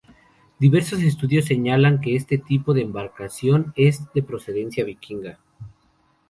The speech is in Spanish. Diversos estudios señalan que este tipo de embarcación es de procedencia vikinga.